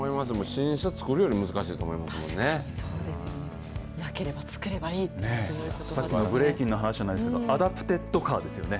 新車作るより難しいと思いますもなければ作ればいい、そういさっきのブレイキンの話じゃないですけど、アダプテッドカーですよね。